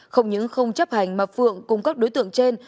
không những không chấp hành mà phượng cung cấp đối tượng trên